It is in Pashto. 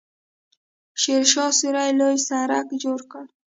شیرشاه سوري لوی سړک جوړ کړ.